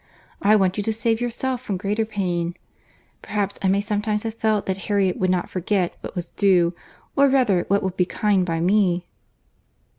I want you to save yourself from greater pain. Perhaps I may sometimes have felt that Harriet would not forget what was due—or rather what would be kind by me."